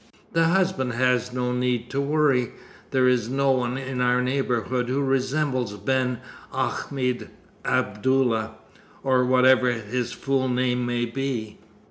The husband has no need to worry. There is no one in our neighborhood who resembles Ben Ahmed Abdullah or whatever his fool name may be.